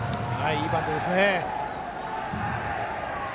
いいバントですね。